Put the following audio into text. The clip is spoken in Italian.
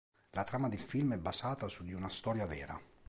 La trama del film è basata su di una storia vera.